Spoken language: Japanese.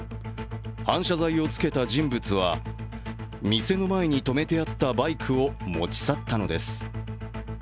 反射材をつけた人物は店の前に止めてあったバイクを持ち去ったのです。